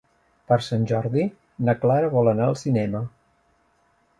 Per Sant Jordi na Clara vol anar al cinema.